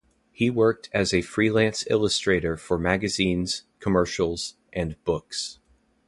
He was worked as a freelance illustrator for magazines, commercials and books.